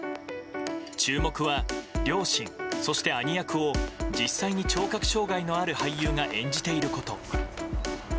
注目は、両親そして兄役を実際に聴覚障害のある俳優が演じていること。